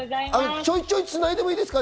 ちょいちょいつないでいいですか？